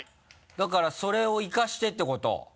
だからそれを生かしてっていうこと？